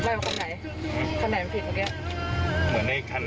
เหมือนในคันในคันข้างหลังมันหาโค้ดหาชน